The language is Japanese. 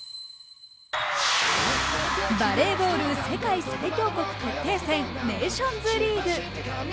バレーボール世界最強国決定戦ネーションズリーグ。